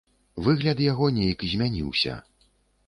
Выгляд яго нейк змяніўся.